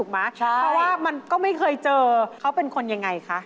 หลังสอง